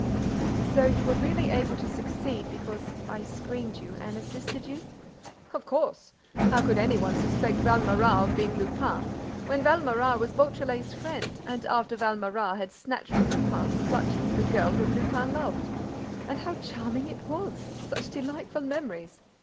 "So you were really able to succeed because I screened you and assisted you?" "Of course! How could any one suspect Valméras of being Lupin, when Valméras was Beautrelet's friend and after Valméras had snatched from Lupin's clutches the girl whom Lupin loved? And how charming it was! Such delightful memories!